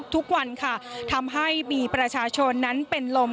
ทุกวันค่ะทำให้มีประชาชนนั้นเป็นลม